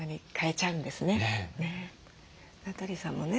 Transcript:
名取さんもね